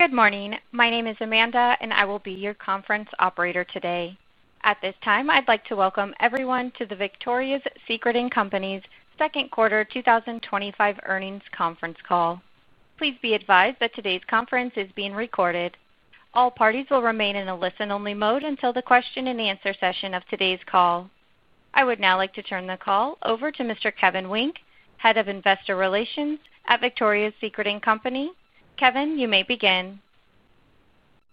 Good morning. My name is Amanda, and I will be your conference operator today. At this time, I'd like to welcome everyone to the Victoria's Secret & Company's Second Quarter 2025 Earnings Conference Call. Please be advised that today's conference is being recorded. All parties will remain in a listen-only mode until the question and answer session of today's call. I would now like to turn the call over to Mr. Kevin Wynk, Head of Investor Relations at Victoria's Secret & Company. Kevin, you may begin.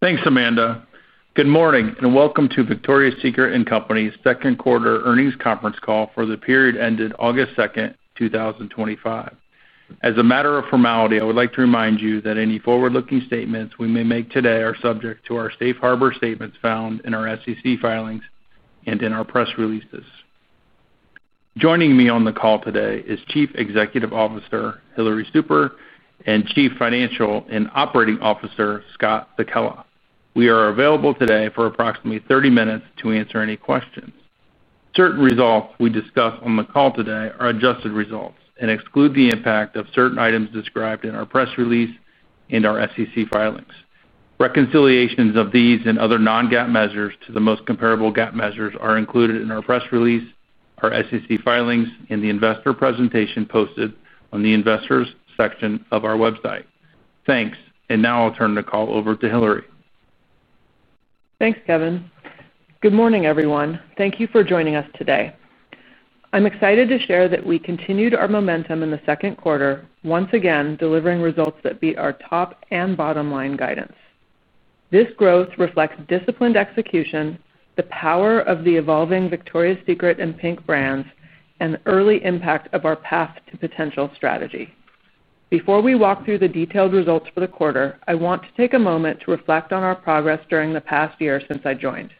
Thanks, Amanda. Good morning and welcome to Victoria's Secret & Company's Second Quarter Earnings Conference Call for the period ended August 2nd, 2025. As a matter of formality, I would like to remind you that any forward-looking statements we may make today are subject to our safe harbor statements found in our SEC filings and in our press releases. Joining me on the call today is Chief Executive Officer Hillary Super and Chief Financial and Operating Officer Scott Sekella. We are available today for approximately 30 minutes to answer any questions. Certain results we discuss on the call today are adjusted results and exclude the impact of certain items described in our press release and our SEC filings. Reconciliations of these and other non-GAAP measures to the most comparable GAAP measures are included in our press release, our SEC filings, and the investor presentation posted on the Investors section of our website. Thanks, and now I'll turn the call over to Hillary. Thanks, Kevin. Good morning, everyone. Thank you for joining us today. I'm excited to share that we continued our momentum in the second quarter, once again delivering results that beat our top and bottom line guidance. This growth reflects disciplined execution, the power of the evolving Victoria's Secret and PINK brands, and the early impact of our path to potential strategy. Before we walk through the detailed results for the quarter, I want to take a moment to reflect on our progress during the past year since I joined.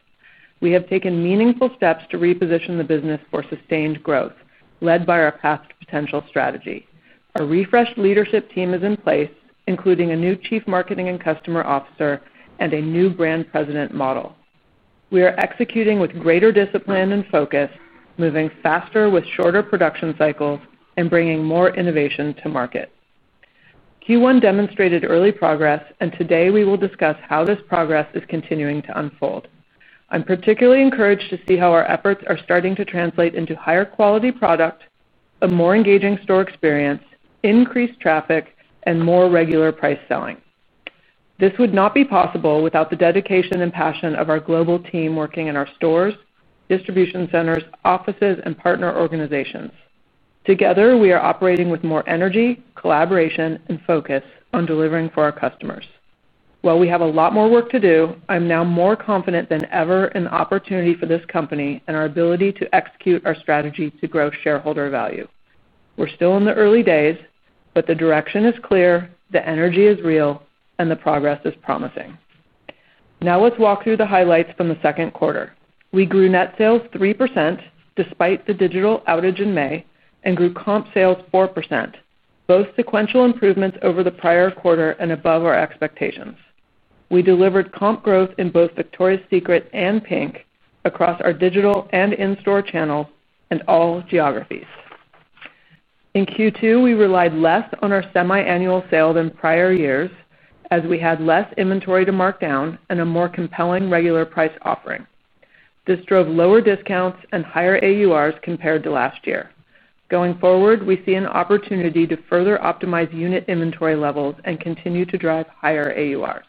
We have taken meaningful steps to reposition the business for sustained growth, led by our path to potential strategy. A refreshed leadership team is in place, including a new Chief Marketing and Customer Officer and a new Brand President model. We are executing with greater discipline and focus, moving faster with shorter production cycles, and bringing more innovation to market. Q1 demonstrated early progress, and today we will discuss how this progress is continuing to unfold. I'm particularly encouraged to see how our efforts are starting to translate into higher quality product, a more engaging store experience, increased traffic, and more regular price selling. This would not be possible without the dedication and passion of our global team working in our stores, distribution centers, offices, and partner organizations. Together, we are operating with more energy, collaboration, and focus on delivering for our customers. While we have a lot more work to do, I'm now more confident than ever in the opportunity for this company and our ability to execute our strategy to grow shareholder value. We're still in the early days, but the direction is clear, the energy is real, and the progress is promising. Now let's walk through the highlights from the second quarter. We grew net sales 3% despite the digital outage in May and grew comp sales 4%, both sequential improvements over the prior quarter and above our expectations. We delivered comp growth in both Victoria's Secret and PINK across our digital and in-store channel and all geographies. In Q2, we relied less on our semi-annual sale than prior years, as we had less inventory to mark down and a more compelling regular price offering. This drove lower discounts and higher AURs compared to last year. Going forward, we see an opportunity to further optimize unit inventory levels and continue to drive higher AUR.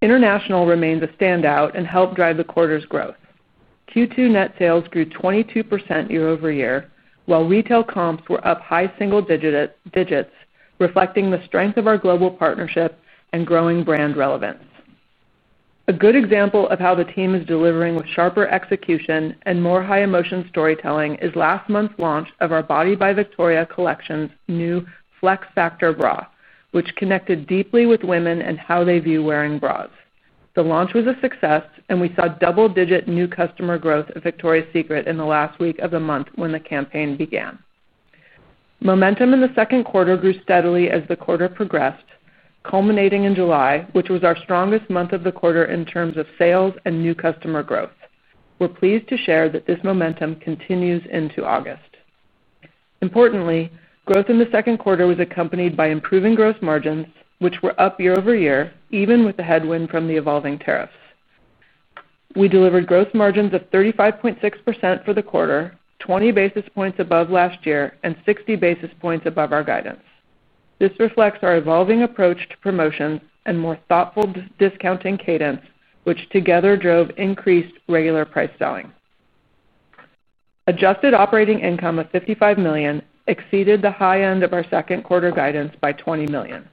International remains a standout and helped drive the quarter's growth. Q2 net sales grew 22% year-over-year, while retail comps were up high single digits, reflecting the strength of our global partnership and growing brand relevance. A good example of how the team is delivering with sharper execution and more high-emotion storytelling is last month's launch of our Body by Victoria collection's new Flex Factor bra, which connected deeply with women and how they view wearing bras. The launch was a success, and we saw double-digit new customer growth at Victoria's Secret in the last week of the month when the campaign began. Momentum in the second quarter grew steadily as the quarter progressed, culminating in July, which was our strongest month of the quarter in terms of sales and new customer growth. We're pleased to share that this momentum continues into August. Importantly, growth in the second quarter was accompanied by improving gross margins, which were up year-over-year, even with the headwind from the evolving tariffs. We delivered gross margins of 35.6% for the quarter, 20 basis points above last year, and 60 basis points above our guidance. This reflects our evolving approach to promotions and more thoughtful discounting cadence, which together drove increased regular price selling. Adjusted operating income of $55 million exceeded the high end of our second quarter guidance by $20 million.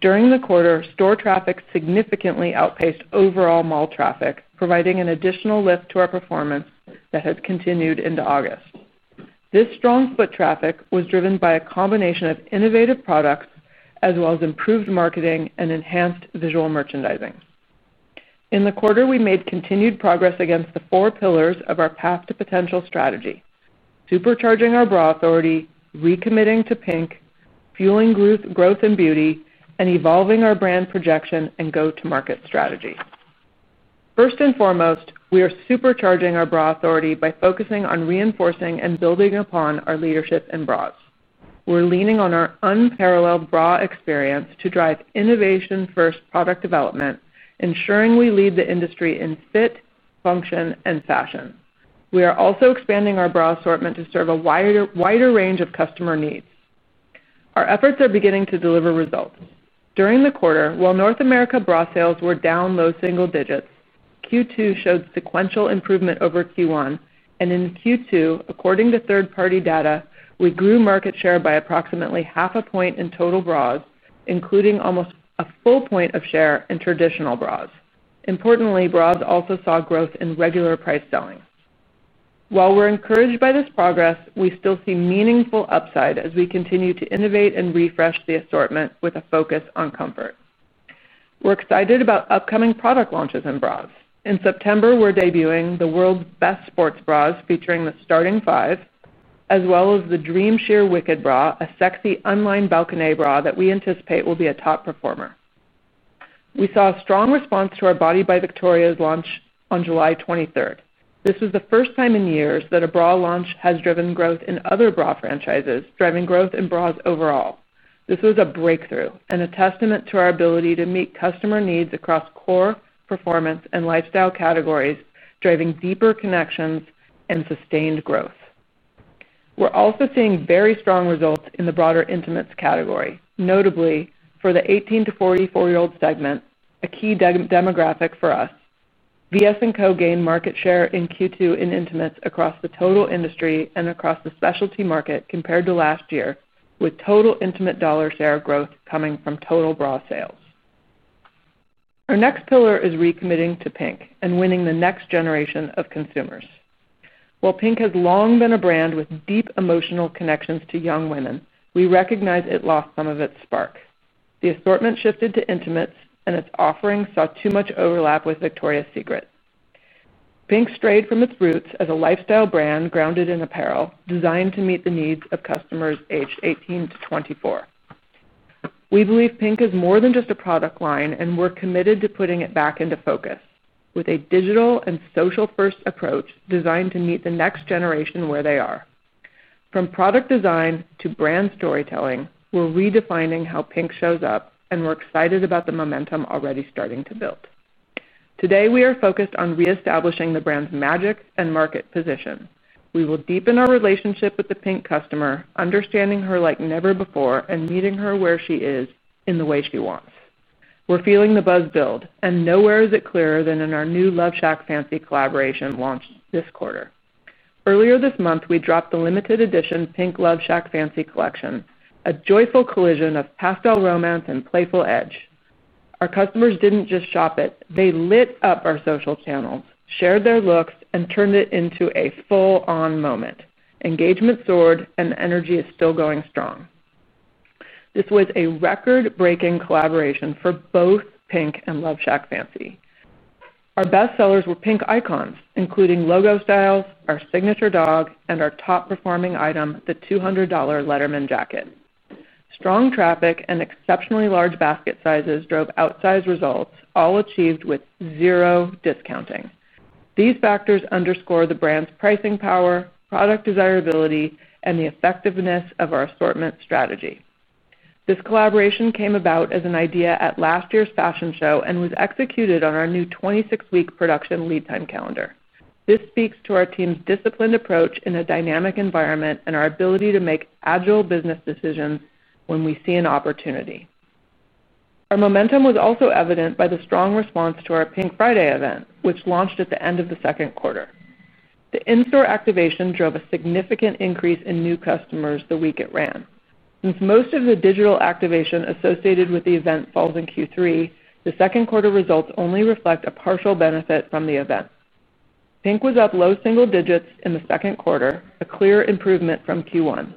During the quarter, store traffic significantly outpaced overall mall traffic, providing an additional lift to our performance that has continued into August. This strong split traffic was driven by a combination of innovative products, as well as improved marketing and enhanced visual merchandising. In the quarter, we made continued progress against the four pillars of our path to potential strategy: supercharging our bra authority, recommitting to PINK, fueling growth and beauty, and evolving our brand projection and go-to-market strategy. First and foremost, we are supercharging our bra authority by focusing on reinforcing and building upon our leadership in bras. We're leaning on our unparalleled bra experience to drive innovation-first product development, ensuring we lead the industry in fit, function, and fashion. We are also expanding our bra assortment to serve a wider range of customer needs. Our efforts are beginning to deliver results. During the quarter, while North America bra sales were down low single digits, Q2 showed sequential improvement over Q1, and in Q2, according to third-party data, we grew market share by approximately 0.5% in total bras, including almost a full point of share in traditional bras. Importantly, bras also saw growth in regular price selling. While we're encouraged by this progress, we still see meaningful upside as we continue to innovate and refresh the assortment with a focus on comfort. We're excited about upcoming product launches in bras. In September, we're debuting the world's best sports bras, featuring the starting 5, as well as the Dream Sheer Wicked bra, a sexy unlined balcony bra that we anticipate will be a top performer. We saw a strong response to our Body by Victoria launch on July 23rd, 2023. This was the first time in years that a bra launch has driven growth in other bra franchises, driving growth in bras overall. This was a breakthrough and a testament to our ability to meet customer needs across core, performance, and lifestyle categories, driving deeper connections and sustained growth. We're also seeing very strong results in the broader intimates category, notably for the 18-year-old to 44-year-old segment, a key demographic for us. VS & Co. gained market share in Q2 in intimates across the total industry and across the specialty market compared to last year, with total intimate dollar share growth coming from total bra sales. Our next pillar is recommitting to PINK and winning the next generation of consumers. While PINK has long been a brand with deep emotional connections to young women, we recognize it lost some of its spark. The assortment shifted to intimates, and its offerings saw too much overlap with Victoria's Secret. PINK strayed from its roots as a lifestyle brand grounded in apparel, designed to meet the needs of customers aged 18-24. We believe PINK is more than just a product line, and we're committed to putting it back into focus with a digital and social-first approach designed to meet the next generation where they are. From product design to brand storytelling, we're redefining how PINK shows up, and we're excited about the momentum already starting to build. Today, we are focused on reestablishing the brand's magic and market position. We will deepen our relationship with the PINK customer, understanding her like never before and meeting her where she is in the way she wants. We're feeling the buzz build, and nowhere is it clearer than in our new LoveShackFancy collaboration launched this quarter. Earlier this month, we dropped the limited edition PINK x LoveShackFancy collection, a joyful collision of pastel romance and playful edge. Our customers didn't just shop it; they lit up our social channels, shared their looks, and turned it into a full-on moment. Engagement soared, and energy is still going strong. This was a record-breaking collaboration for both PINK and LoveShackFancy. Our bestsellers were PINK icons, including logo styles, our signature dog, and our top-performing item, the $200 Letterman jacket. Strong traffic and exceptionally large basket sizes drove outsized results, all achieved with zero discounting. These factors underscore the brand's pricing power, product desirability, and the effectiveness of our assortment strategy. This collaboration came about as an idea at last year's VS Fashion Show and was executed on our new 26-week production lead time calendar. This speaks to our team's disciplined approach in a dynamic environment and our ability to make agile business decisions when we see an opportunity. Our momentum was also evident by the strong response to our PINK Friday event, which launched at the end of the second quarter. The in-store activation drove a significant increase in new customers the week it ran. Since most of the digital activation associated with the event falls in Q3, the second quarter results only reflect a partial benefit from the event. PINK was up low single digits in the second quarter, a clear improvement from Q1.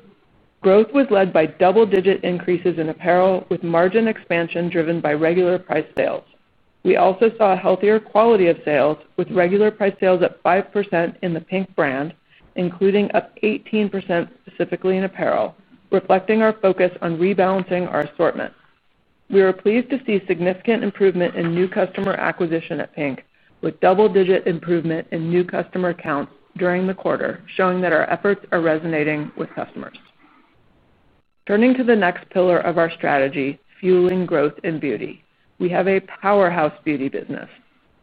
Growth was led by double-digit increases in apparel, with margin expansion driven by regular price sales. We also saw a healthier quality of sales, with regular price sales at 5% in the PINK brand, including up 18% specifically in apparel, reflecting our focus on rebalancing our assortment. We were pleased to see significant improvement in new customer acquisition at PINK, with double-digit improvement in new customer count during the quarter, showing that our efforts are resonating with customers. Turning to the next pillar of our strategy, fueling growth and beauty, we have a powerhouse beauty business,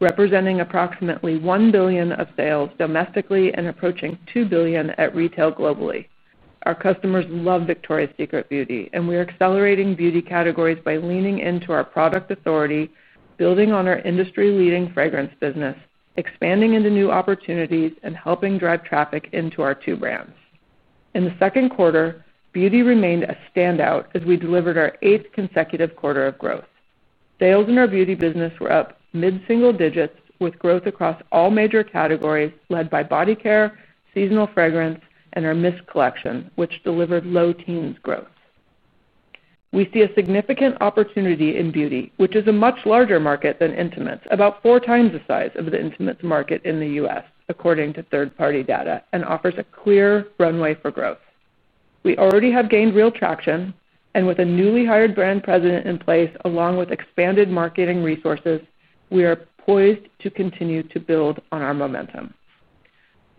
representing approximately $1 billion of sales domestically and approaching $2 billion at retail globally. Our customers love Victoria's Secret beauty, and we are accelerating beauty categories by leaning into our product authority, building on our industry-leading fragrance business, expanding into new opportunities, and helping drive traffic into our two brands. In the second quarter, beauty remained a standout as we delivered our eighth consecutive quarter of growth. Sales in our beauty business were up mid-single digits, with growth across all major categories led by body care, seasonal fragrance, and our Mist collection, which delivered low teens growth. We see a significant opportunity in beauty, which is a much larger market than intimates, about four times the size of the intimates market in the U.S., according to third-party data, and offers a clear runway for growth. We already have gained real traction, and with a newly hired Brand President in place, along with expanded marketing resources, we are poised to continue to build on our momentum.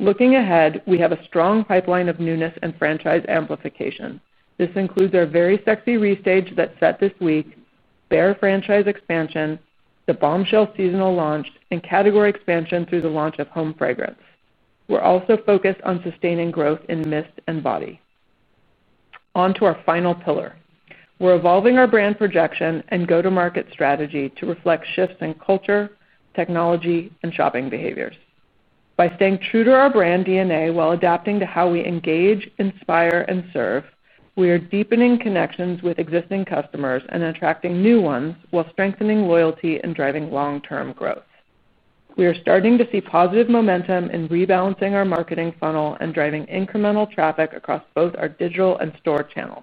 Looking ahead, we have a strong pipeline of newness and franchise amplification. This includes our Very Sexy re-stage that's set this week, Bare franchise expansion, the Bombshell seasonal launch, and category expansion through the launch of Home Fragrance. We're also focused on sustaining growth in Mist and Body. Onto our final pillar, we're evolving our brand projection and go-to-market strategy to reflect shifts in culture, technology, and shopping behaviors. By staying true to our brand DNA while adapting to how we engage, inspire, and serve, we are deepening connections with existing customers and attracting new ones while strengthening loyalty and driving long-term growth. We are starting to see positive momentum in rebalancing our marketing funnel and driving incremental traffic across both our digital and store channels.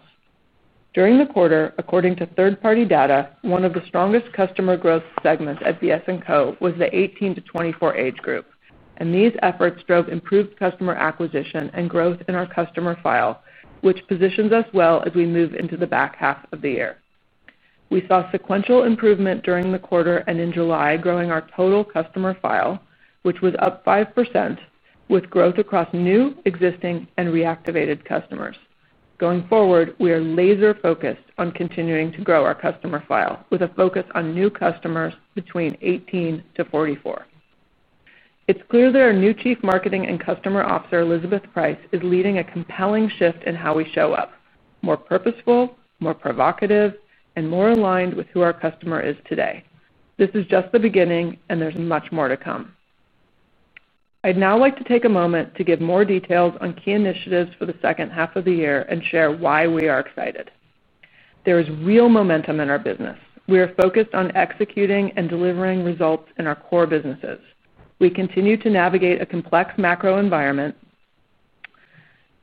During the quarter, according to third-party data, one of the strongest customer growth segments at VS & Co. was the 18-24 age group, and these efforts drove improved customer acquisition and growth in our customer file, which positions us well as we move into the back half of the year. We saw sequential improvement during the quarter and in July, growing our total customer file, which was up 5%, with growth across new, existing, and reactivated customers. Going forward, we are laser-focused on continuing to grow our customer file with a focus on new customers between 18-44. It's clear that our new Chief Marketing and Customer Officer, Elizabeth Preis, is leading a compelling shift in how we show up: more purposeful, more provocative, and more aligned with who our customer is today. This is just the beginning, and there's much more to come. I'd now like to take a moment to give more details on key initiatives for the second half of the year and share why we are excited. There is real momentum in our business. We are focused on executing and delivering results in our core businesses. We continue to navigate a complex macro environment,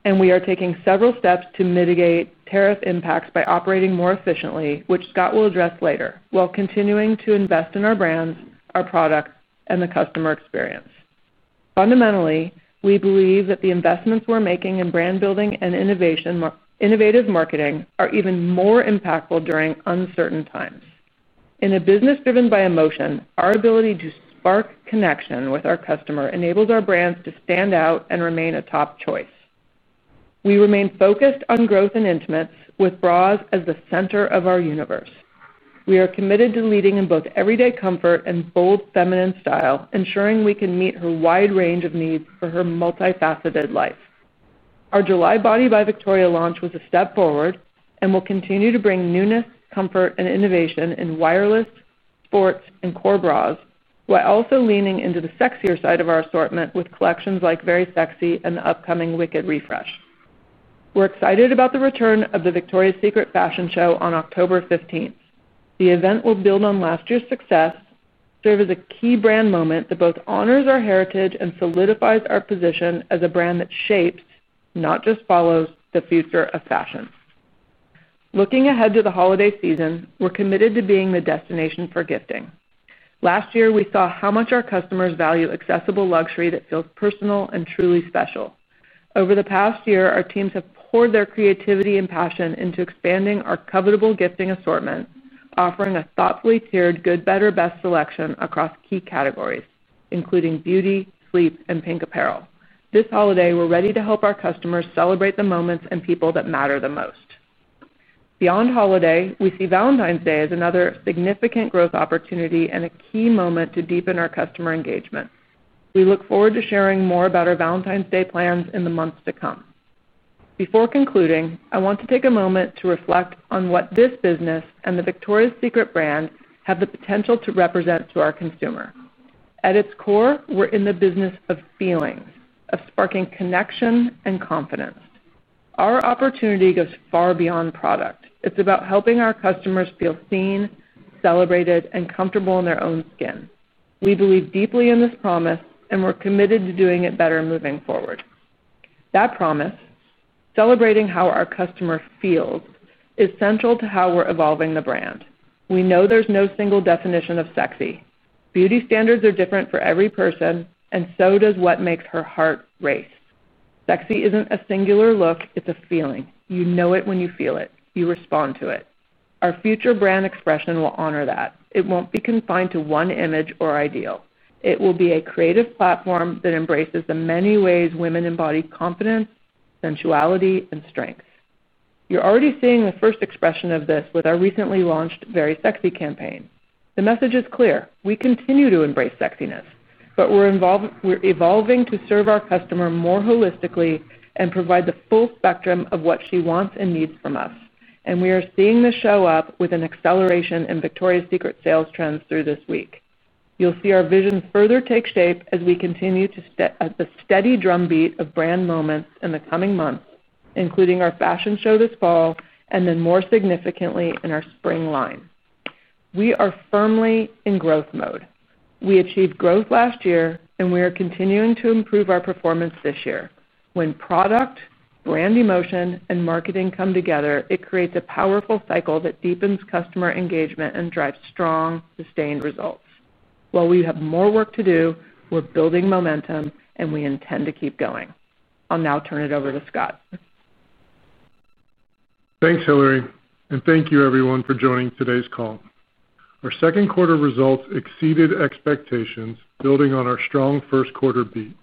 and we are taking several steps to mitigate tariff impacts by operating more efficiently, which Scott will address later, while continuing to invest in our brand, our product, and the customer experience. Fundamentally, we believe that the investments we're making in brand building and innovative marketing are even more impactful during uncertain times. In a business driven by emotion, our ability to spark connection with our customer enables our brands to stand out and remain a top choice. We remain focused on growth and intimates, with bras as the center of our universe. We are committed to leading in both everyday comfort and bold feminine style, ensuring we can meet her wide range of needs for her multifaceted life. Our July Body by Victoria launch was a step forward and will continue to bring newness, comfort, and innovation in wireless, sports, and core bras, while also leaning into the sexier side of our assortment with collections like Very Sexy and the upcoming Wicked refresh. We're excited about the return of the Victoria's Secret Fashion Show on October 15th. The event will build on last year's success, serve as a key brand moment that both honors our heritage and solidifies our position as a brand that shapes, not just follows, the future of fashion. Looking ahead to the holiday season, we're committed to being the destination for gifting. Last year, we saw how much our customers value accessible luxury that feels personal and truly special. Over the past year, our teams have poured their creativity and passion into expanding our covetable gifting assortment, offering a thoughtfully tiered good, better, best selection across key categories, including beauty, sleep, and PINK apparel. This holiday, we're ready to help our customers celebrate the moments and people that matter the most. Beyond holiday, we see Valentine's Day as another significant growth opportunity and a key moment to deepen our customer engagement. We look forward to sharing more about our Valentine's Day plans in the months to come. Before concluding, I want to take a moment to reflect on what this business and the Victoria's Secret brand have the potential to represent to our consumer. At its core, we're in the business of feelings, of sparking connection and confidence. Our opportunity goes far beyond product. It's about helping our customers feel seen, celebrated, and comfortable in their own skin. We believe deeply in this promise, and we're committed to doing it better moving forward. That promise, celebrating how our customer feels, is central to how we're evolving the brand. We know there's no single definition of sexy. Beauty standards are different for every person, and so does what makes her heart race. Sexy isn't a singular look; it's a feeling. You know it when you feel it. You respond to it. Our future brand expression will honor that. It won't be confined to one image or ideal. It will be a creative platform that embraces the many ways women embody confidence, sensuality, and strength. You're already seeing the first expression of this with our recently launched Very Sexy campaign. The message is clear: we continue to embrace sexiness, but we're evolving to serve our customer more holistically and provide the full spectrum of what she wants and needs from us. We are seeing this show up with an acceleration in Victoria's Secret sales trends through this week. You'll see our vision further take shape as we continue to set the steady drumbeat of brand moments in the coming months, including our fashion show this fall, and then more significantly in our spring line. We are firmly in growth mode. We achieved growth last year, and we are continuing to improve our performance this year. When product, brand emotion, and marketing come together, it creates a powerful cycle that deepens customer engagement and drives strong, sustained results. While we have more work to do, we're building momentum, and we intend to keep going. I'll now turn it over to Scott. Thanks, Hillary, and thank you, everyone, for joining today's call. Our second quarter results exceeded expectations, building on our strong first quarter beat.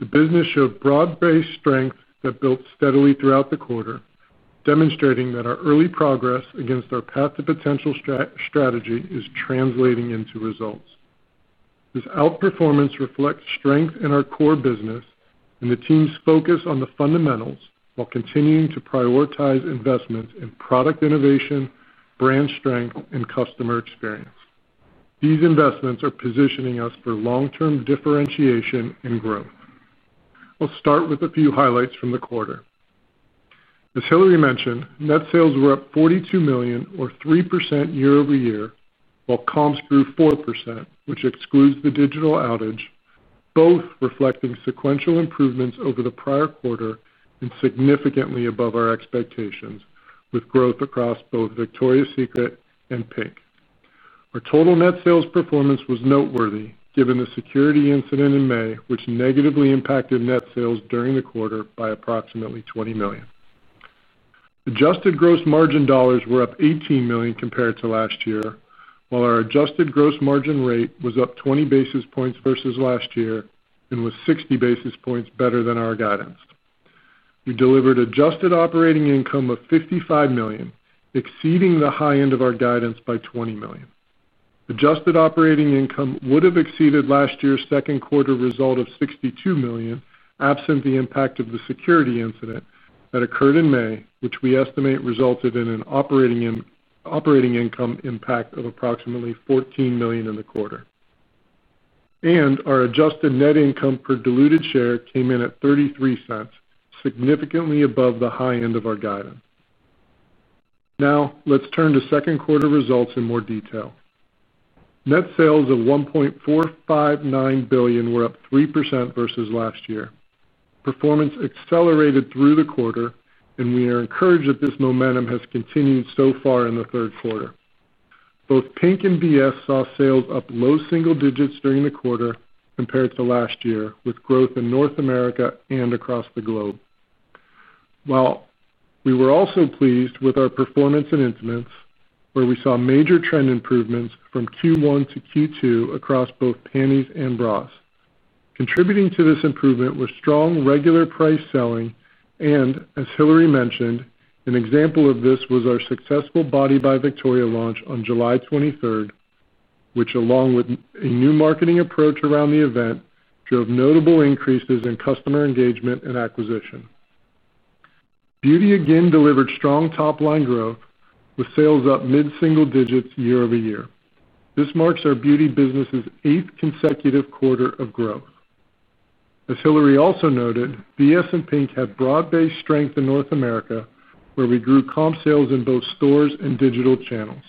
The business showed broad-based strength that built steadily throughout the quarter, demonstrating that our early progress against our path to potential strategy is translating into results. This outperformance reflects strength in our core business and the team's focus on the fundamentals while continuing to prioritize investments in product innovation, brand strength, and customer experience. These investments are positioning us for long-term differentiation and growth. I'll start with a few highlights from the quarter. As Hillary mentioned, net sales were up $42 million, or 3% year-over-year, while comps grew 4%, which excludes the digital outage, both reflecting sequential improvements over the prior quarter and significantly above our expectations, with growth across both Victoria's Secret and PINK. Our total net sales performance was noteworthy, given the security incident in May, which negatively impacted net sales during the quarter by approximately $20 million. Adjusted gross margin dollars were up $18 million compared to last year, while our adjusted gross margin rate was up 20 basis points versus last year and was 60 basis points better than our guidance. We delivered adjusted operating income of $55 million, exceeding the high end of our guidance by $20 million. Adjusted operating income would have exceeded last year's second quarter result of $62 million, absent the impact of the security incident that occurred in May, which we estimate resulted in an operating income impact of approximately $14 million in the quarter. Our adjusted net income per diluted share came in at $0.33, significantly above the high end of our guidance. Now, let's turn to second quarter results in more detail. Net sales of $1.459 billion were up 3% versus last year. Performance accelerated through the quarter, and we are encouraged that this momentum has continued so far in the third quarter. Both PINK and VS saw sales up low single digits during the quarter compared to last year, with growth in North America and across the globe. We were also pleased with our performance in intimates, where we saw major trend improvements from Q1 to Q2 across both panties and bras. Contributing to this improvement was strong regular price selling, and as Hillary mentioned, an example of this was our successful Body by Victoria launch on July 23rd, which, along with a new marketing approach around the event, drove notable increases in customer engagement and acquisition. Beauty again delivered strong top-line growth, with sales up mid-single digits year-over-year. This marks our beauty business's eighth consecutive quarter of growth. As Hillary also noted, VS and PINK had broad-based strength in North America, where we grew comparable sales in both stores and digital channels.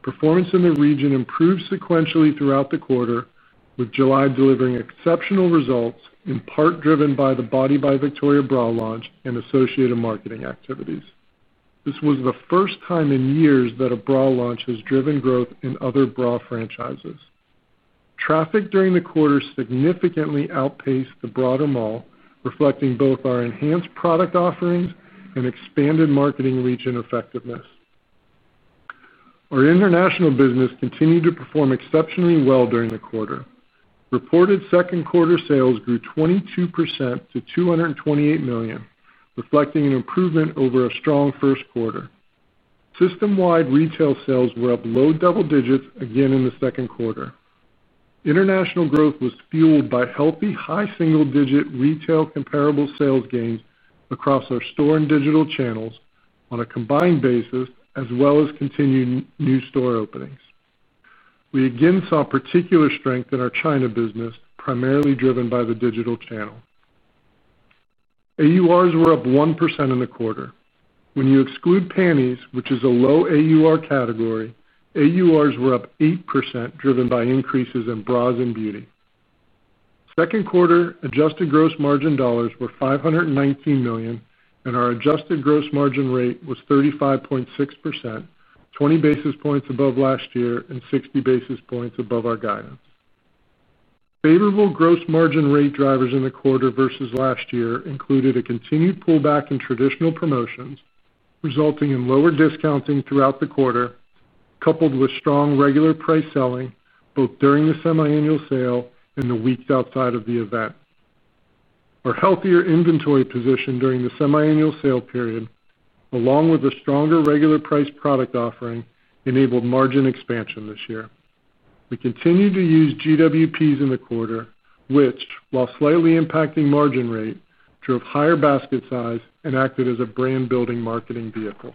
Performance in the region improved sequentially throughout the quarter, with July delivering exceptional results, in part driven by the Body by Victoria bra launch and associated marketing activities. This was the first time in years that a bra launch has driven growth in other bra franchises. Traffic during the quarter significantly outpaced the broader mall, reflecting both our enhanced product offerings and expanded marketing region effectiveness. Our international business continued to perform exceptionally well during the quarter. Reported second quarter sales grew 22% to $228 million, reflecting an improvement over a strong first quarter. System-wide retail sales were up low double digits again in the second quarter. International growth was fueled by healthy high single-digit retail comparable sales gains across our store and digital channels on a combined basis, as well as continued new store openings. We again saw particular strength in our China business, primarily driven by the digital channel. AURs were up 1% in the quarter. When you exclude panties, which is a low AUR category, AURs were up 8%, driven by increases in bras and beauty. Second quarter adjusted gross margin dollars were $519 million, and our adjusted gross margin rate was 35.6%, 20 basis points above last year and 60 basis points above our guidance. Favorable gross margin rate drivers in the quarter versus last year included a continued pullback in traditional promotions, resulting in lower discounting throughout the quarter, coupled with strong regular price selling both during the semi-annual sale and the weeks outside of the event. Our healthier inventory position during the semi-annual sale period, along with a stronger regular price product offering, enabled margin expansion this year. We continued to use GWPs in the quarter, which, while slightly impacting margin rate, drove higher basket size and acted as a brand-building marketing vehicle.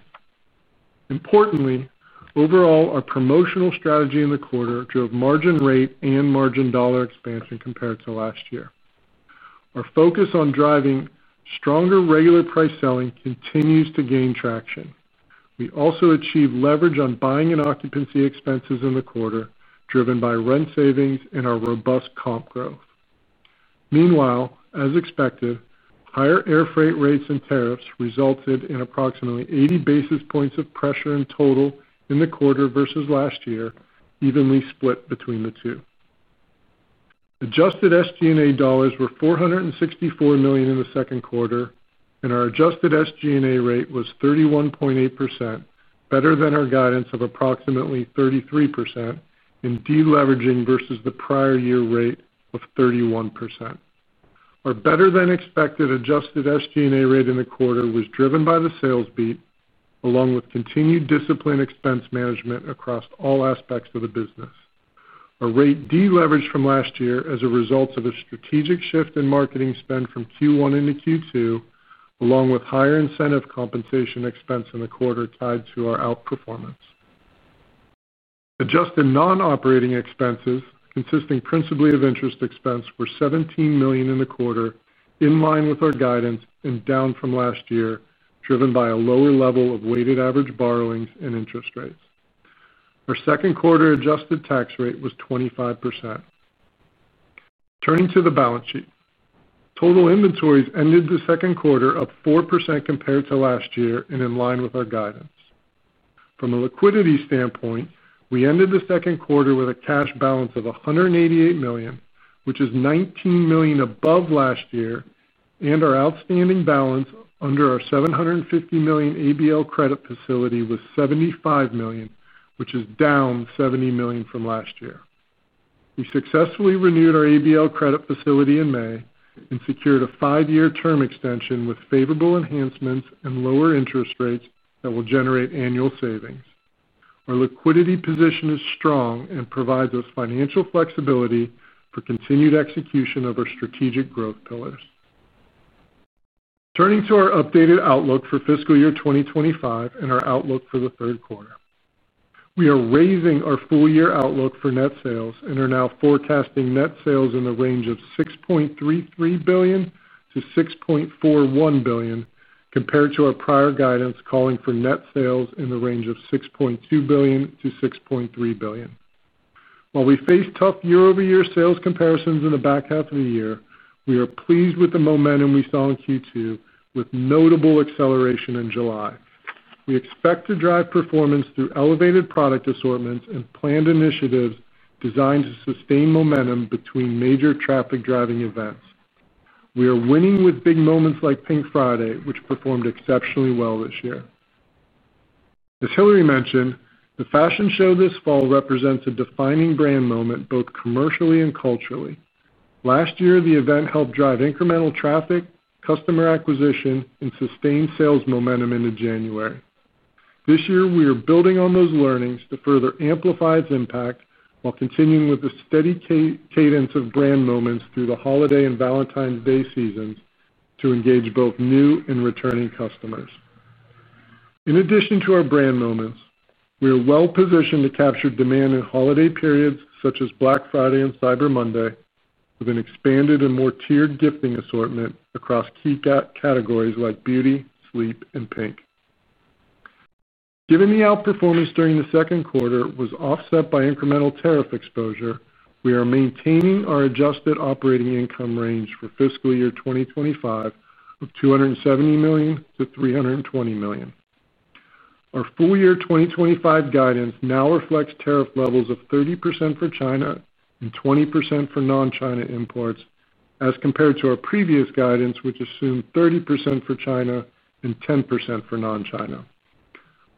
Importantly, overall, our promotional strategy in the quarter drove margin rate and margin dollar expansion compared to last year. Our focus on driving stronger regular price selling continues to gain traction. We also achieved leverage on buying and occupancy expenses in the quarter, driven by rent savings and our robust comp growth. Meanwhile, as expected, higher air freight rates and tariffs resulted in approximately 80 basis points of pressure in total in the quarter versus last year, evenly split between the two. Adjusted SG&A dollars were $464 million in the second quarter, and our adjusted SG&A rate was 31.8%, better than our guidance of approximately 33%, and deleveraging versus the prior year rate of 31%. Our better-than-expected adjusted SG&A rate in the quarter was driven by the sales beat, along with continued discipline expense management across all aspects of the business. A rate deleveraged from last year as a result of a strategic shift in marketing spend from Q1 into Q2, along with higher incentive compensation expense in the quarter tied to our outperformance. Adjusted non-operating expenses, consisting principally of interest expense, were $17 million in the quarter, in line with our guidance and down from last year, driven by a lower level of weighted average borrowings and interest rates. Our second quarter adjusted tax rate was 25%. Turning to the balance sheet, total inventories ended the second quarter up 4% compared to last year and in line with our guidance. From a liquidity standpoint, we ended the second quarter with a cash balance of $188 million, which is $19 million above last year, and our outstanding balance under our $750 million ABL credit facility was $75 million, which is down $70 million from last year. We successfully renewed our ABL credit facility in May and secured a five-year term extension with favorable enhancements and lower interest rates that will generate annual savings. Our liquidity position is strong and provides us financial flexibility for continued execution of our strategic growth pillars. Turning to our updated outlook for fiscal year 2025 and our outlook for the third quarter, we are raising our full-year outlook for net sales and are now forecasting net sales in the range of $6.33 billion-$6.41 billion, compared to our prior guidance calling for net sales in the range of $6.2 billion-$6.3 billion. While we face tough year-over-year sales comparisons in the back half of the year, we are pleased with the momentum we saw in Q2, with notable acceleration in July. We expect to drive performance through elevated product assortments and planned initiatives designed to sustain momentum between major traffic-driving events. We are winning with big moments like PINK Friday, which performed exceptionally well this year. As Hillary mentioned, the fashion show this fall represents a defining brand moment both commercially and culturally. Last year, the event helped drive incremental traffic, customer acquisition, and sustained sales momentum into January. This year, we are building on those learnings to further amplify its impact while continuing with a steady cadence of brand moments through the holiday and Valentine's Day seasons to engage both new and returning customers. In addition to our brand moments, we are well positioned to capture demand in holiday periods such as Black Friday and Cyber Monday, with an expanded and more tiered gifting assortment across key categories like beauty, sleep, and PINK. Given the outperformance during the second quarter was offset by incremental tariff exposure, we are maintaining our adjusted operating income range for fiscal year 2025 of $270 million-$320 million. Our full-year 2025 guidance now reflects tariff levels of 30% for China and 20% for non-China imports, as compared to our previous guidance, which assumed 30% for China and 10% for non-China.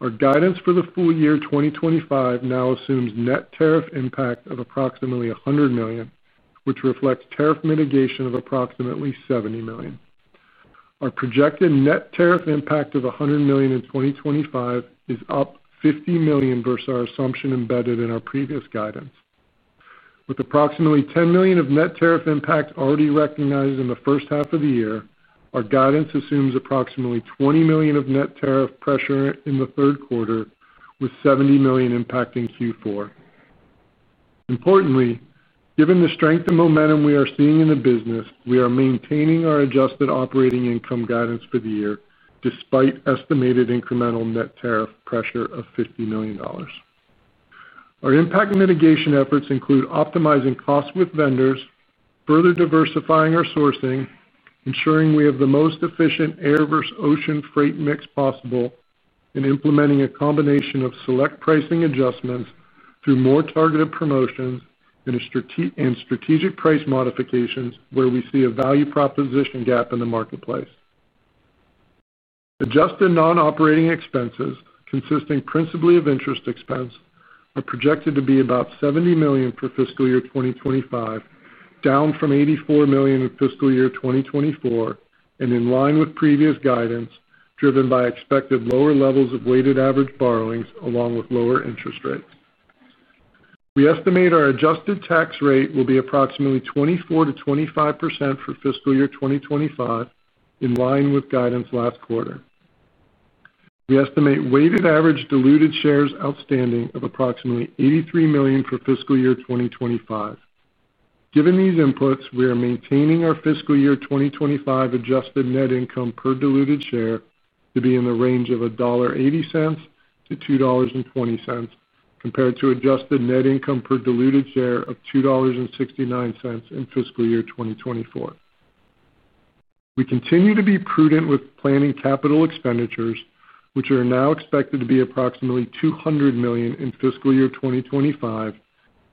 Our guidance for the full year 2025 now assumes net tariff impact of approximately $100 million, which reflects tariff mitigation of approximately $70 million. Our projected net tariff impact of $100 million in 2025 is up $50 million versus our assumption embedded in our previous guidance. With approximately $10 million of net tariff impact already recognized in the first half of the year, our guidance assumes approximately $20 million of net tariff pressure in the third quarter, with $70 million impacting Q4. Importantly, given the strength and momentum we are seeing in the business, we are maintaining our adjusted operating income guidance for the year, despite estimated incremental net tariff pressure of $50 million. Our impact mitigation efforts include optimizing costs with vendors, further diversifying our sourcing, ensuring we have the most efficient air versus ocean freight mix possible, and implementing a combination of select pricing adjustments through more targeted promotions and strategic price modifications where we see a value proposition gap in the marketplace. Adjusted non-operating expenses, consisting principally of interest expense, are projected to be about $70 million for fiscal year 2025, down from $84 million in fiscal year 2024, and in line with previous guidance, driven by expected lower levels of weighted average borrowings, along with lower interest rates. We estimate our adjusted tax rate will be approximately 24%-25% for fiscal year 2025, in line with guidance last quarter. We estimate weighted average diluted shares outstanding of approximately 83 million for fiscal year 2025. Given these inputs, we are maintaining our fiscal year 2025 adjusted net income per diluted share to be in the range of $1.80-$2.20, compared to adjusted net income per diluted share of $2.69 in fiscal year 2024. We continue to be prudent with planning capital expenditures, which are now expected to be approximately $200 million in fiscal year 2025,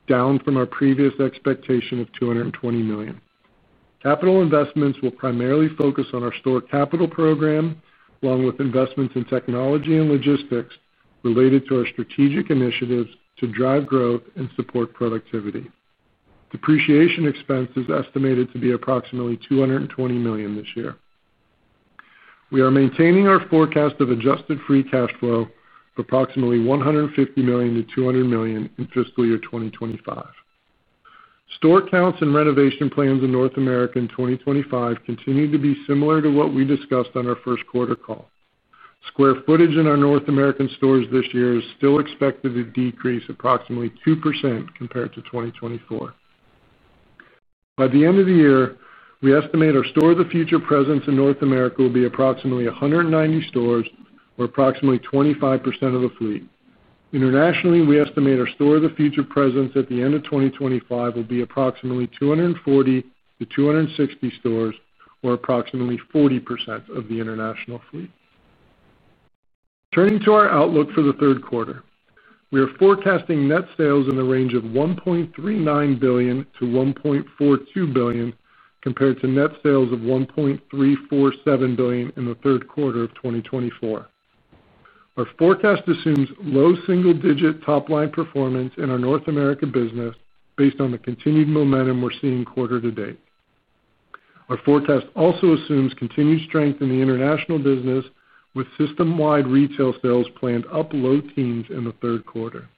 down from our previous expectation of $220 million. Capital investments will primarily focus on our store capital program, along with investments in technology and logistics related to our strategic initiatives to drive growth and support productivity. Depreciation expense is estimated to be approximately $220 million this year. We are maintaining our forecast of adjusted free cash flow of approximately $150 million-$200 million in fiscal year 2025. Store counts and renovation plans in North America in 2025 continue to be similar to what we discussed on our first quarter call. Square footage in our North American stores this year is still expected to decrease approximately 2% compared to 2024. By the end of the year, we estimate our store of the future presence in North America will be approximately 190 stores, or approximately 25% of the fleet. Internationally, we estimate our store of the future presence at the end of 2025 will be approximately 240 stores-260 stores, or approximately 40% of the international fleet. Turning to our outlook for the third quarter, we are forecasting net sales in the range of $1.39 billion-$1.42 billion, compared to net sales of $1.347 billion in the third quarter of 2024. Our forecast assumes low single-digit top-line performance in our North America business, based on the continued momentum we're seeing quarter to date. Our forecast also assumes continued strength in the international business, with system-wide retail sales planned up low teens in the third quarter.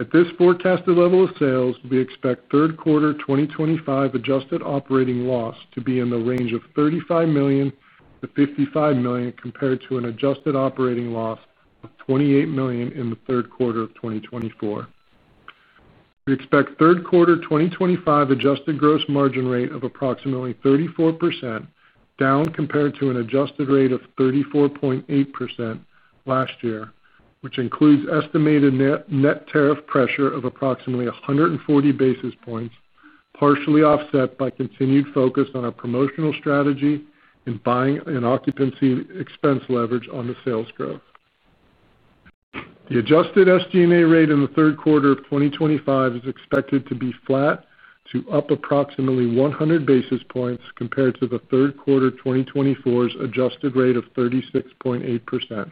At this forecasted level of sales, we expect third quarter 2025 adjusted operating loss to be in the range of $35 million-$55 million, compared to an adjusted operating loss of $28 million in the third quarter of 2024. We expect third quarter 2025 adjusted gross margin rate of approximately 34%, down compared to an adjusted rate of 34.8% last year, which includes estimated net tariff pressure of approximately 140 basis points, partially offset by continued focus on our promotional strategy and buying and occupancy expense leverage on the sales growth. The adjusted SG&A rate in the third quarter of 2025 is expected to be flat to up approximately 100 basis points, compared to the third quarter 2024's adjusted rate of 36.8%.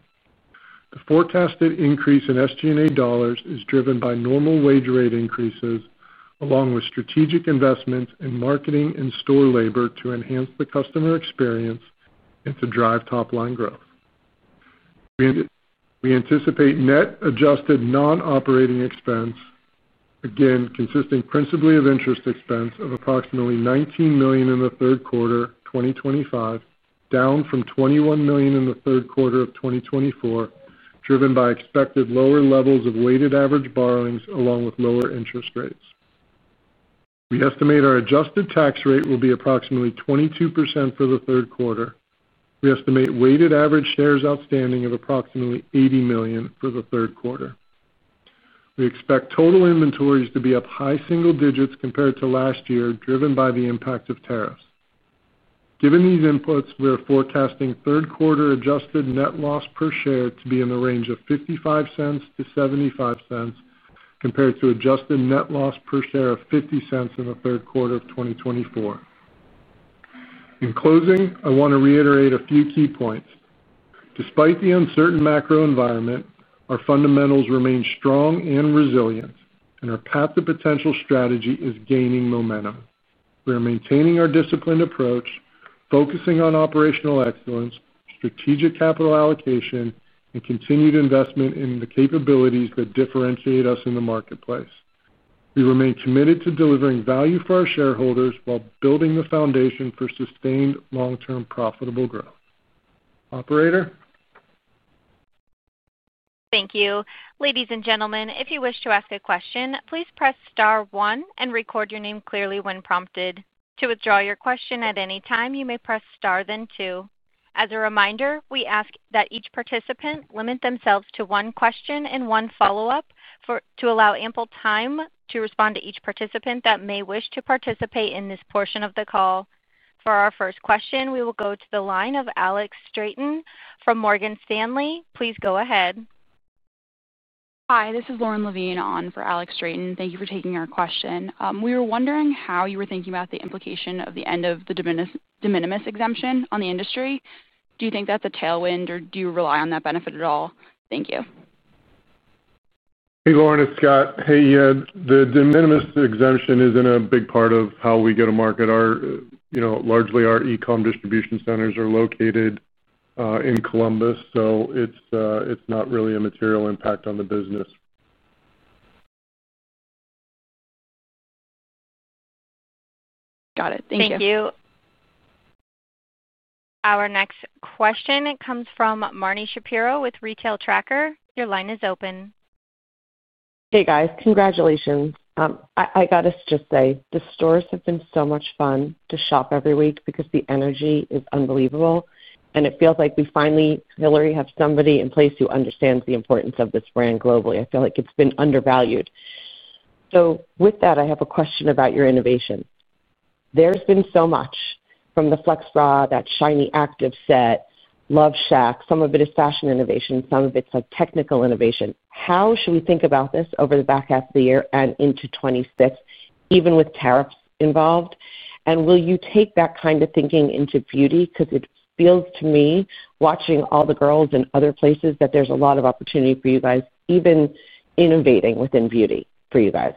The forecasted increase in SG&A dollars is driven by normal wage rate increases, along with strategic investments in marketing and store labor to enhance the customer experience and to drive top-line growth. We anticipate net adjusted non-operating expense, again consisting principally of interest expense, of approximately $19 million in the third quarter 2025, down from $21 million in the third quarter of 2024, driven by expected lower levels of weighted average borrowings, along with lower interest rates. We estimate our adjusted tax rate will be approximately 22% for the third quarter. We estimate weighted average shares outstanding of approximately 80 million for the third quarter. We expect total inventories to be up high single digits compared to last year, driven by the impact of tariffs. Given these inputs, we are forecasting third quarter adjusted net loss per share to be in the range of $0.55-$0.75, compared to adjusted net loss per share of $0.50 in the third quarter of 2024. In closing, I want to reiterate a few key points. Despite the uncertain macro environment, our fundamentals remain strong and resilient, and our path to potential strategy is gaining momentum. We are maintaining our disciplined approach, focusing on operational excellence, strategic capital allocation, and continued investment in the capabilities that differentiate us in the marketplace. We remain committed to delivering value for our shareholders while building the foundation for sustained long-term profitable growth. Operator? Thank you. Ladies and gentlemen, if you wish to ask a question, please press star one and record your name clearly when prompted. To withdraw your question at any time, you may press star then two. As a reminder, we ask that each participant limit themselves to one question and one follow-up to allow ample time to respond to each participant that may wish to participate in this portion of the call. For our first question, we will go to the line of Alex Straton from Morgan Stanley. Please go ahead. Hi, this is Lauren Levine on for Alex Straton. Thank you for taking our question. We were wondering how you were thinking about the implication of the end of the de minimis exemption on the industry. Do you think that's a tailwind, or do you rely on that benefit at all? Thank you. Hey, Lauren, it's Scott. The de minimis exemption isn't a big part of how we go to market. Largely, our e-com distribution centers are located in Columbus, so it's not really a material impact on the business. Got it. Thank you. Thank you. Our next question comes from Marni Shapiro with The Retail Tracker. Your line is open. Hey, guys. Congratulations. I got to just say, the stores have been so much fun to shop every week because the energy is unbelievable, and it feels like we finally, Hillary, have somebody in place who understands the importance of this brand globally. I feel like it's been undervalued. I have a question about your innovation. There's been so much from the Flex bra, that shiny active set, LoveShack. Some of it is fashion innovation. Some of it's like technical innovation. How should we think about this over the back half of the year and into 2026, even with tariff headwinds involved? Will you take that kind of thinking into beauty? It feels to me, watching all the girls in other places, that there's a lot of opportunity for you guys, even innovating within beauty for you guys.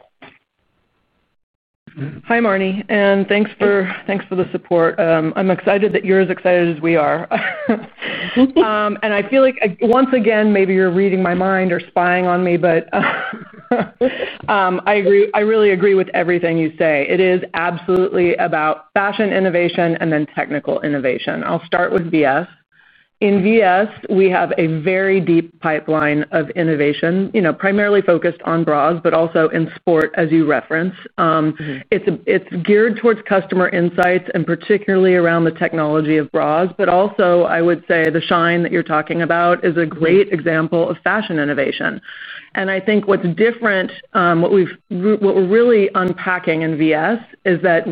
Hi, Marni, and thanks for the support. I'm excited that you're as excited as we are. I feel like, once again, maybe you're reading my mind or spying on me, but I really agree with everything you say. It is absolutely about fashion innovation and then technical innovation. I'll start with VS. In VS, we have a very deep pipeline of innovation, primarily focused on bras, but also in sport, as you referenced. It's geared towards customer insights and particularly around the technology of bras, but also, I would say the shine that you're talking about is a great example of fashion innovation. I think what's different, what we're really unpacking in VS, is that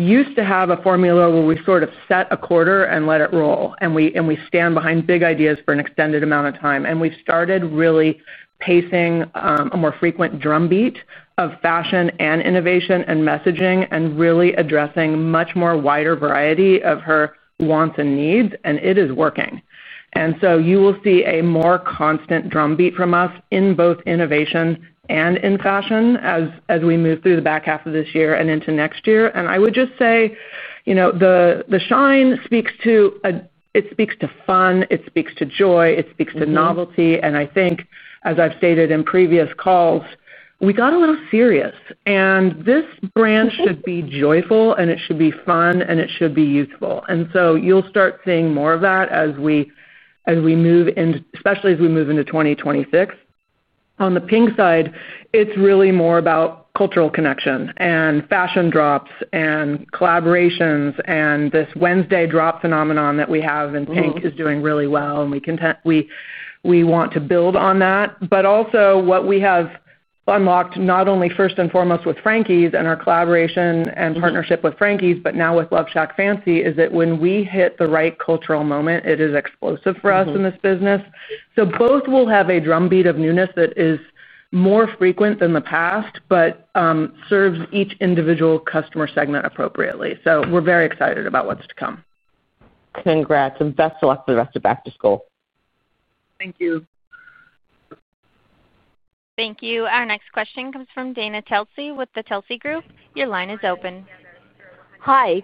we used to have a formula where we sort of set a quarter and let it roll, and we stand behind big ideas for an extended amount of time. We've started really pacing a more frequent drumbeat of fashion and innovation and messaging and really addressing a much wider variety of her wants and needs, and it is working. You will see a more constant drumbeat from us in both innovation and in fashion as we move through the back half of this year and into next year. I would just say, the shine speaks to, it speaks to fun, it speaks to joy, it speaks to novelty. I think, as I've stated in previous calls, we got a little serious, and this brand should be joyful, and it should be fun, and it should be youthful. You'll start seeing more of that as we move into, especially as we move into 2026. On the PINK side, it's really more about cultural connection and fashion drops and collaborations, and this Wednesday drop phenomenon that we have in PINK is doing really well, and we want to build on that. Also, what we have unlocked, not only first and foremost with Frankies and our collaboration and partnership with Frankies, but now with LoveShackFancy, is that when we hit the right cultural moment, it is explosive for us in this business. Both will have a drumbeat of newness that is more frequent than the past, but serves each individual customer segment appropriately. We're very excited about what's to come. Congrats, and best of luck for the rest of Back to School. Thank you. Thank you. Our next question comes from Dana Telsey with the Telsey Group. Your line is open. Hi,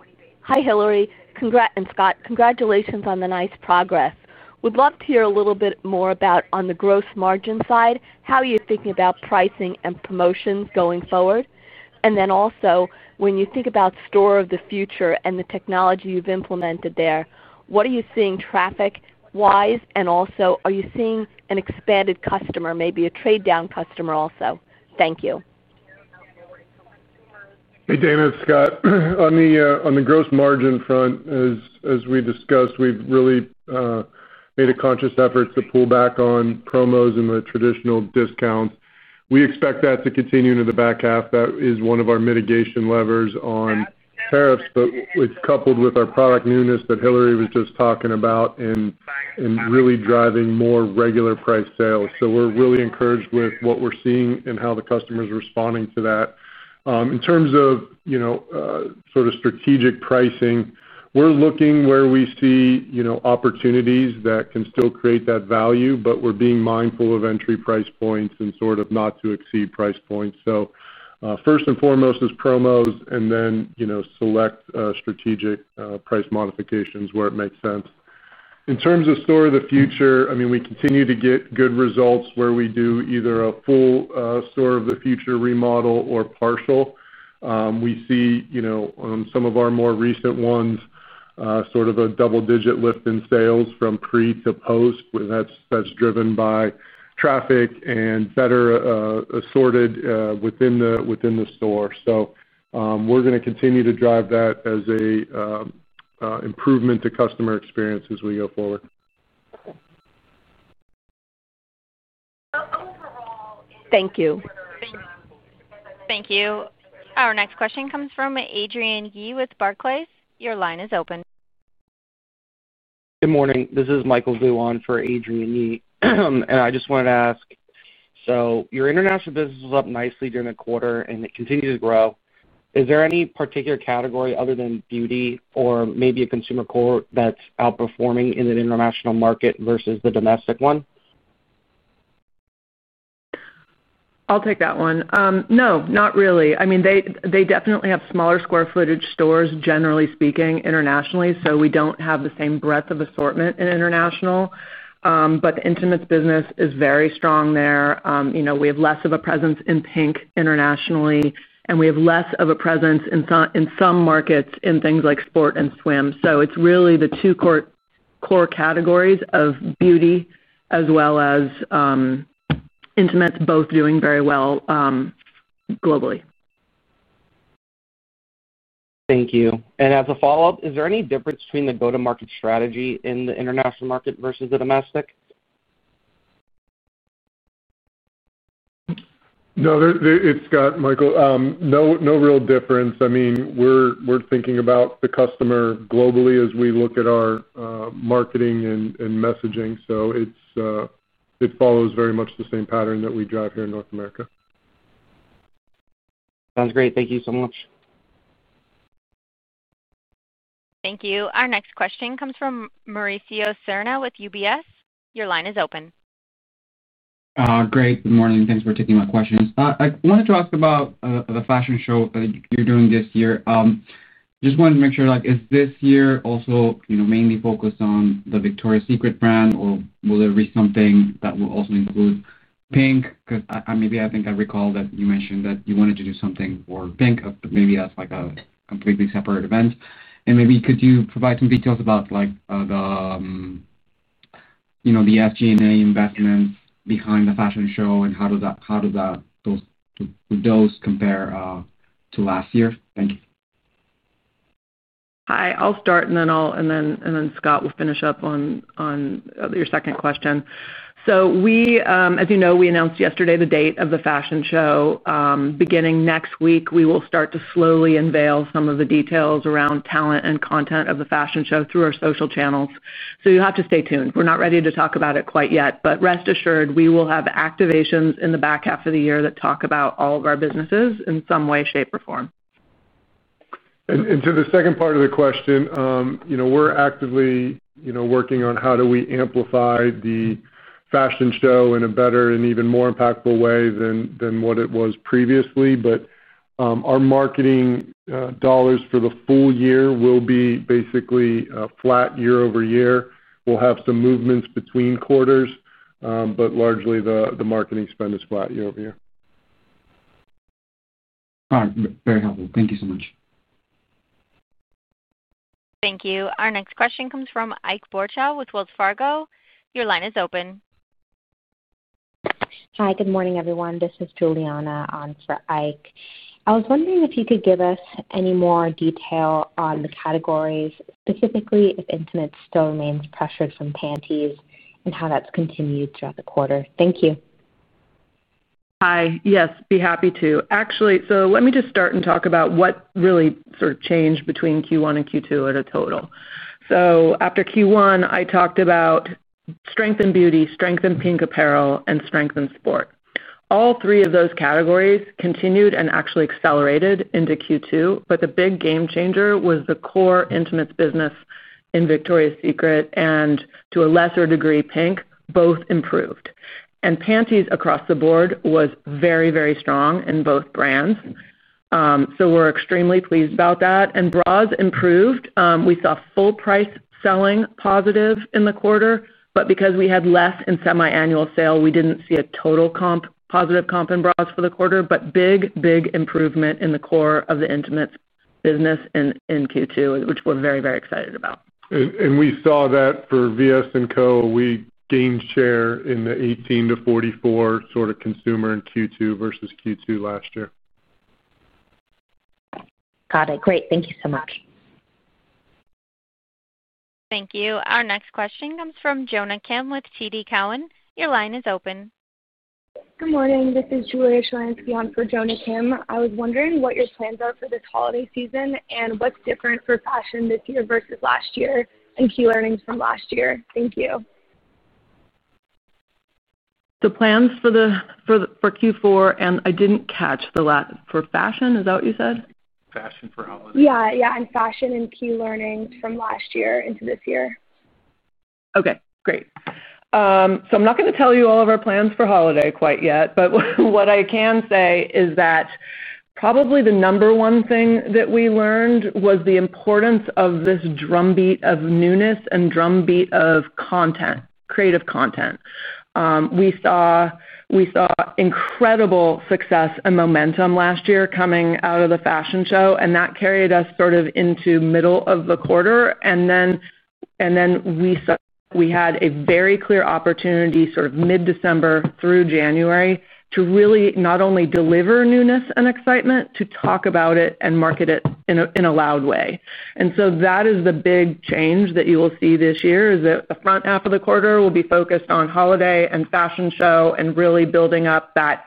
Hillary and Scott, congratulations on the nice progress. We'd love to hear a little bit more about, on the gross margin side, how you're thinking about pricing and promotions going forward. When you think about store of the future and the technology you've implemented there, what are you seeing traffic-wise, and also, are you seeing an expanded customer, maybe a trade-down customer also? Thank you. Hey, Dana, Scott. On the gross margin front, as we discussed, we've really made a conscious effort to pull back on promos and the traditional discounts. We expect that to continue into the back half. That is one of our mitigation levers on tariffs, but it's coupled with our product newness that Hillary was just talking about and really driving more regular price sales. We're really encouraged with what we're seeing and how the customer's responding to that. In terms of, you know, sort of strategic pricing, we're looking where we see, you know, opportunities that can still create that value, but we're being mindful of entry price points and sort of not to exceed price points. First and foremost is promos, and then, you know, select strategic price modifications where it makes sense. In terms of store of the future, we continue to get good results where we do either a full store of the future remodel or partial. We see, you know, on some of our more recent ones, sort of a double-digit lift in sales from pre to post, and that's driven by traffic and better assorted within the store. We're going to continue to drive that as an improvement to customer experience as we go forward. Thank you. Thank you. Our next question comes from Adrian Yee with Barclays. Your line is open. Good morning. This is Michael Wong for Adrian Yee, and I just wanted to ask, your international business was up nicely during the quarter, and it continued to grow. Is there any particular category other than beauty or maybe a consumer core that's outperforming in an international market versus the domestic one? I'll take that one. No, not really. I mean, they definitely have smaller square footage stores, generally speaking, internationally, so we don't have the same breadth of assortment in international. The intimates business is very strong there. We have less of a presence in PINK internationally, and we have less of a presence in some markets in things like sport and swim. It's really the two core categories of beauty as well as intimates both doing very well globally. Thank you. Is there any difference between the go-to-market strategy in the international market versus the domestic? No, it's Scott, Michael. No real difference. I mean, we're thinking about the customer globally as we look at our marketing and messaging. It follows very much the same pattern that we drive here in North America. Sounds great. Thank you so much. Thank you. Our next question comes from Mauricio Serna with UBS. Your line is open. Great. Good morning. Thanks for taking my questions. I want to talk about the fashion show that you're doing this year. I just wanted to make sure, is this year also mainly focused on the Victoria's Secret brand, or will there be something that will also include PINK? I think I recall that you mentioned that you wanted to do something for PINK, but maybe that's a completely separate event. Could you provide some details about the SG&A investment behind the fashion show and how those compare to last year? Thank you. I'll start, and then Scott will finish up on your second question. As you know, we announced yesterday the date of the fashion show. Beginning next week, we will start to slowly unveil some of the details around talent and content of the fashion show through our social channels. You'll have to stay tuned. We're not ready to talk about it quite yet, but rest assured, we will have activations in the back half of the year that talk about all of our businesses in some way, shape, or form. To the second part of the question, we're actively working on how do we amplify the fashion show in a better and even more impactful way than what it was previously. Our marketing dollars for the full year will be basically flat year-over-year. We'll have some movements between quarters, but largely the marketing spend is flat year-over-year. Very helpful. Thank you so much. Thank you. Our next question comes from Ike Boruchow with Wells Fargo. Your line is open. Hi. Good morning, everyone. This is Juliana on for Ike. I was wondering if you could give us any more detail on the categories, specifically if intimates still remain pressured from panties and how that's continued throughout the quarter. Thank you. Hi. Yes, be happy to. Let me just start and talk about what really sort of changed between Q1 and Q2 at a total. After Q1, I talked about strength in beauty, strength in PINK apparel, and strength in sport. All three of those categories continued and actually accelerated into Q2. The big game changer was the core intimates business in Victoria's Secret, and to a lesser degree, PINK both improved. Panties across the board were very, very strong in both brands. We're extremely pleased about that. Bras improved. We saw full price selling positive in the quarter, but because we had less in semi-annual sale, we didn't see a total comp, positive comp in bras for the quarter, but big, big improvement in the core of the intimates business in Q2, which we're very, very excited about. We saw that for VS & Co., we gained share in the 18-44 sort of consumer in Q2 versus Q2 last year. Got it. Great. Thank you so much. Thank you. Our next question comes from Jonna Kim with TD Cowen. Your line is open. Good morning. This is Julia Shelanski on for Jonna Kim. I was wondering what your plans are for this holiday season and what's different for fashion this year versus last year, and key learnings from last year. Thank you. The plans for Q4, and I didn't catch the last for fashion. Is that what you said? Fashion for holiday, yeah, and fashion and key learnings from last year into this year. Okay. Great. I'm not going to tell you all of our plans for holiday quite yet, but what I can say is that probably the number one thing that we learned was the importance of this drumbeat of newness and drumbeat of content, creative content. We saw incredible success and momentum last year coming out of the fashion show, and that carried us sort of into the middle of the quarter. We saw we had a very clear opportunity sort of mid-December through January to really not only deliver newness and excitement, to talk about it and market it in a loud way. That is the big change that you will see this year, that the front half of the quarter will be focused on holiday and the fashion show and really building up that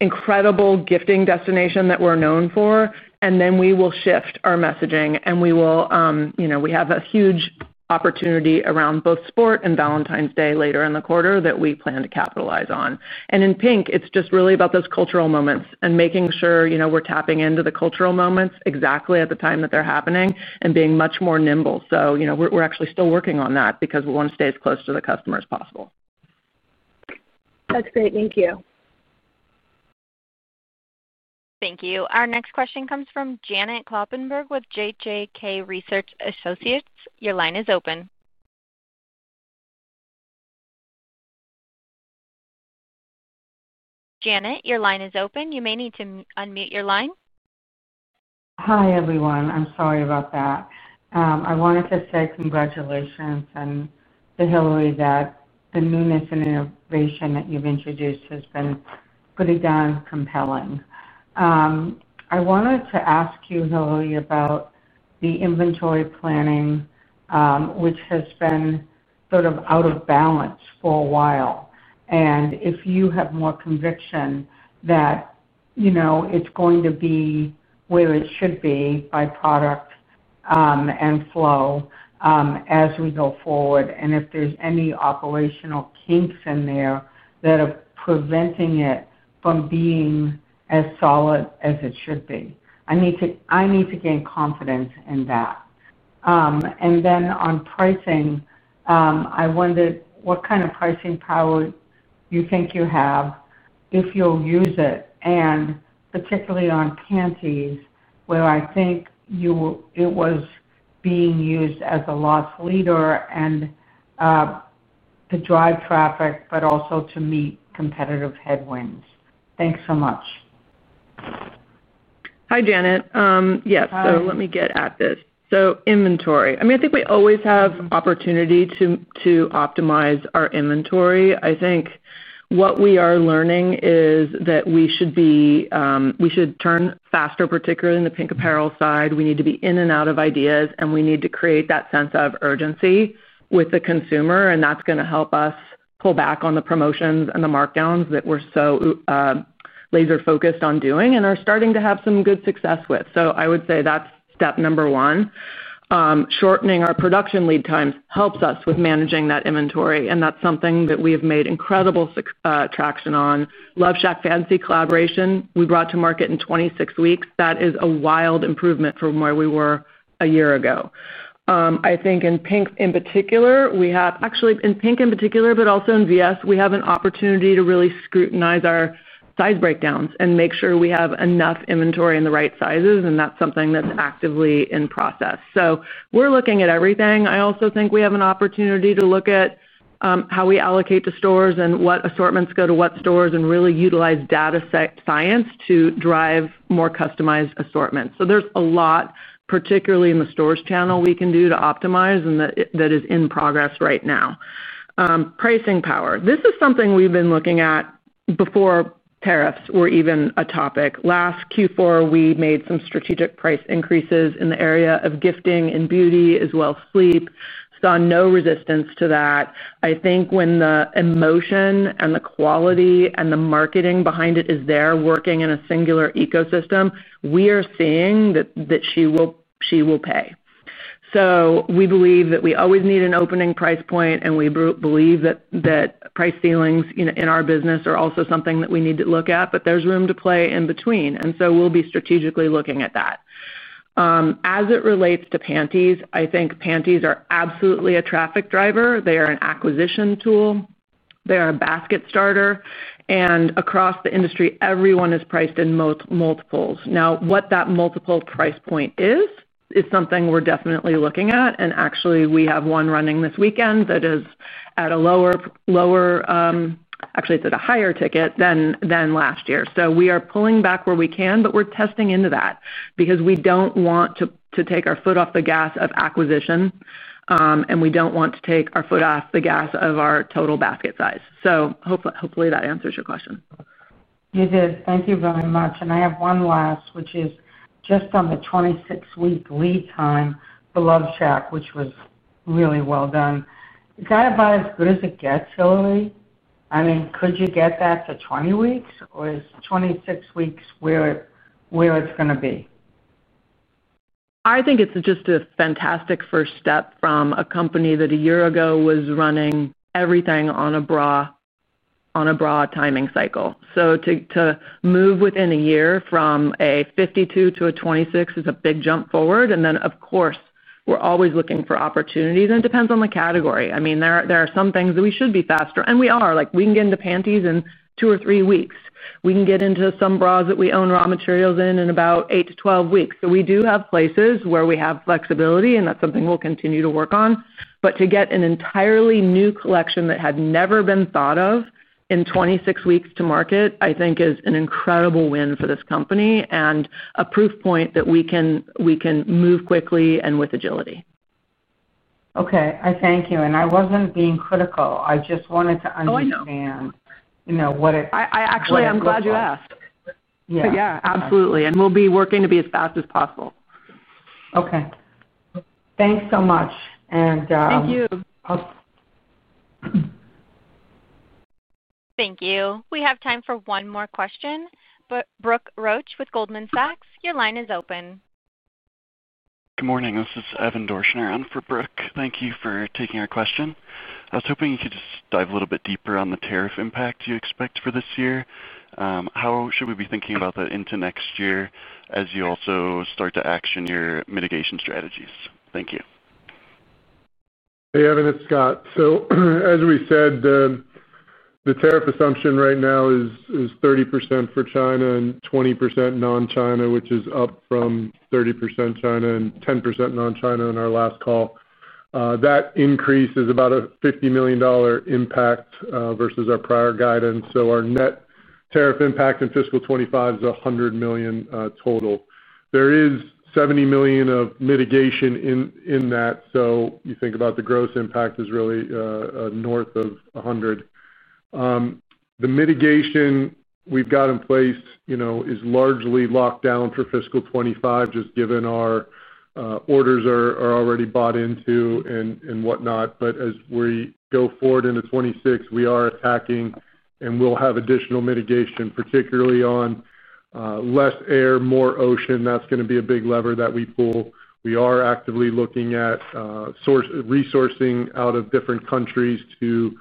incredible gifting destination that we're known for. We will shift our messaging, and we have a huge opportunity around both sport and Valentine's Day later in the quarter that we plan to capitalize on. In PINK, it's just really about those cultural moments and making sure we're tapping into the cultural moments exactly at the time that they're happening and being much more nimble. We're actually still working on that because we want to stay as close to the customer as possible. That's great. Thank you. Thank you. Our next question comes from Janet Kloppenburg with JJK Research Associates. Your line is open. Janet, your line is open. You may need to unmute your line. Hi, everyone. I'm sorry about that. I wanted to say congratulations and to Hillary that the newness and innovation that you've introduced has been pretty darn compelling. I wanted to ask you, Hillary, about the inventory planning, which has been sort of out of balance for a while. If you have more conviction that, you know, it's going to be where it should be by product and flow as we go forward, and if there's any operational kinks in there that are preventing it from being as solid as it should be. I need to gain confidence in that. On pricing, I wondered what kind of pricing power you think you have if you'll use it, and particularly on panties, where I think it was being used as a loss leader to drive traffic, but also to meet competitive headwinds. Thanks so much. Hi, Janet. Yes, let me get at this. Inventory, I mean, I think we always have opportunity to optimize our inventory. I think what we are learning is that we should turn faster, particularly in the PINK apparel side. We need to be in and out of ideas, and we need to create that sense of urgency with the consumer, and that's going to help us pull back on the promotions and the markdowns that we're so laser-focused on doing and are starting to have some good success with. I would say that's step number one. Shortening our production lead times helps us with managing that inventory, and that's something that we have made incredible traction on LoveShackFancy collaboration we brought to market in 26 weeks. That is a wild improvement from where we were a year ago. I think in PINK in particular, but also in VS, we have an opportunity to really scrutinize our size breakdowns and make sure we have enough inventory in the right sizes, and that's something that's actively in process. We're looking at everything. I also think we have an opportunity to look at how we allocate to stores and what assortments go to what stores and really utilize data science to drive more customized assortments. There's a lot, particularly in the stores channel, we can do to optimize and that is in progress right now. Pricing power. This is something we've been looking at before tariffs were even a topic. Last Q4, we made some strategic price increases in the area of gifting and beauty, as well as sleep. Saw no resistance to that. I think when the emotion and the quality and the marketing behind it is there working in a singular ecosystem, we are seeing that she will pay. We believe that we always need an opening price point, and we believe that price ceilings in our business are also something that we need to look at, but there's room to play in between. We'll be strategically looking at that. As it relates to panties, I think panties are absolutely a traffic driver. They are an acquisition tool. They are a basket starter. Across the industry, everyone is priced in multiples. Now, what that multiple price point is, is something we're definitely looking at. Actually, we have one running this weekend that is at a higher ticket than last year. We are pulling back where we can, but we're testing into that because we don't want to take our foot off the gas of acquisition, and we don't want to take our foot off the gas of our total basket size. Hopefully, that answers your question. It is. Thank you very much. I have one last, which is just on the 26-week lead time for LoveShack, which was really well done. Is that about as good as it gets, Hillary? I mean, could you get that to 20 weeks, or is 26 weeks where it's going to be? I think it's just a fantastic first step from a company that a year ago was running everything on a bra timing cycle. To move within a year from a 52 to a 26 is a big jump forward. Of course, we're always looking for opportunities, and it depends on the category. I mean, there are some things that we should be faster, and we are. Like, we can get into panties in two or three weeks. We can get into some bras that we own raw materials in in about eight to 12 weeks. We do have places where we have flexibility, and that's something we'll continue to work on. To get an entirely new collection that had never been thought of in 26 weeks to market, I think is an incredible win for this company and a proof point that we can move quickly and with agility. Okay. Thank you. I wasn't being critical. I just wanted to understand what it is. I'm glad you asked. Absolutely. We'll be working to be as fast as possible. Okay. Thanks so much. Thank you. Thank you. We have time for one more question, Brooke Roach with Goldman Sachs, your line is open. Good morning. This is Evan Dorschner on for Brooke. Thank you for taking our question. I was hoping you could just dive a little bit deeper on the tariff impact you expect for this year. How should we be thinking about that into next year as you also start to action your mitigation strategies? Thank you. Hey, Evan, it's Scott. As we said, the tariff assumption right now is 30% for China and 20% non-China, which is up from 30% China and 10% non-China in our last call. That increase is about a $50 million impact versus our prior guidance. Our net tariff impact in fiscal 2025 is $100 million total. There is $70 million of mitigation in that. You think about the growth impact, it is really north of $100 million. The mitigation we've got in place is largely locked down for fiscal 2025, just given our orders are already bought into and whatnot. As we go forward into 2026, we are attacking and will have additional mitigation, particularly on less air, more ocean. That is going to be a big lever that we pull. We are actively looking at resourcing out of different countries to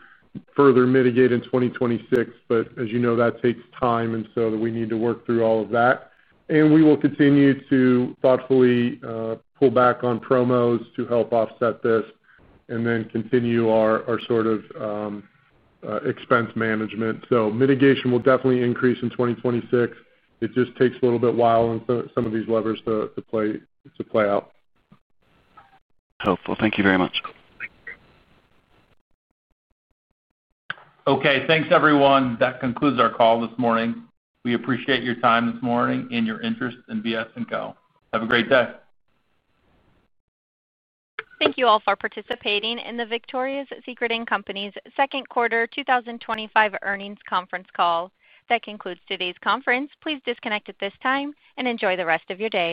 further mitigate in 2026. As you know, that takes time, and we need to work through all of that. We will continue to thoughtfully pull back on promos to help offset this and continue our sort of expense management. Mitigation will definitely increase in 2026. It just takes a little bit while and some of these levers to play out. Helpful. Thank you very much. Okay. Thanks, everyone. That concludes our call this morning. We appreciate your time this morning and your interest in VS & Co. Have a great day. Thank you all for participating in the Victoria's Secret & Company's Second Quarter 2025 Earnings Conference Call. That concludes today's conference. Please disconnect at this time and enjoy the rest of your day.